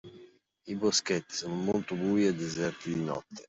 I Boschetti sono molto bui e deserti di notte.